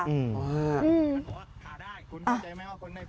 อืม